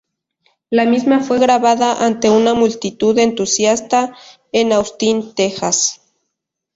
La misma fue grabada ante una multitud entusiasta en Austin, Texas.